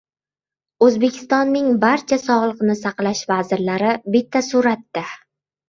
O‘zbekistonning barcha sog‘liqni saqlash vazirlari — bitta suratda